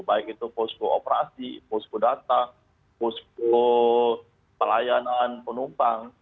baik itu posko operasi posko data posko pelayanan penumpang